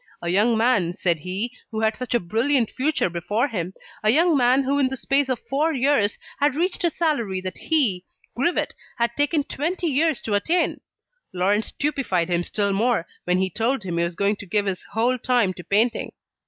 A young man, said he, who had such a brilliant future before him, a young man who in the space of four years, had reached a salary that he, Grivet, had taken twenty years to attain! Laurent stupefied him still more, when he told him he was going to give his whole time to painting.